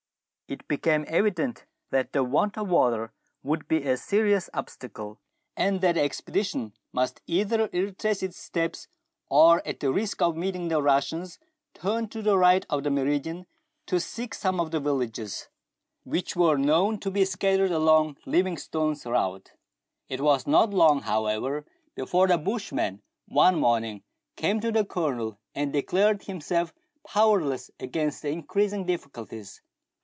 It became evident that the want of water would be a serious obstacle, and that the expedition must either retrace its steps, or, at the risk of meeting the Russians, turn to the right of the meridian, to seek some of the villages which were known to be scattered along Livingstone's route. It was not long, however, before the bushman one morn 170 MERIDIANA ; THE ADVENTURES OF ing came to the Colonel, and declared himself powerless against the increasing difficulties.